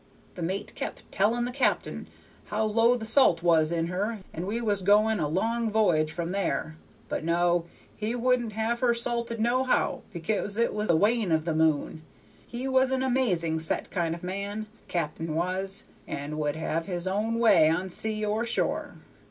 The mate kept telling the captain how low the salt was in her, and we was going a long voyage from there, but no, he wouldn't have her salted nohow, because it was the wane of the moon. He was an amazing set kind of man, the cap'n was, and would have his own way on sea or shore.